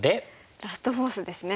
ラストフォースですね。